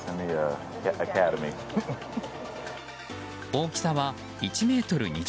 大きさは１ｍ２０ｃｍほど。